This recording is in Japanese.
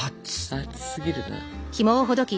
熱すぎるな。